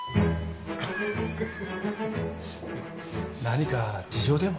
何か事情でも？